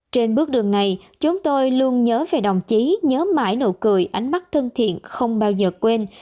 trên bước đường này chúng tôi luôn nhớ về đồng chí nhớ mãi nụ cười ánh mắt thân thiện không bao giờ quên